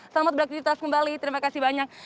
selamat beraktivitas kembali terima kasih banyak